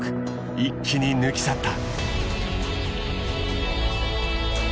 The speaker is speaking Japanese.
一気に抜き去った。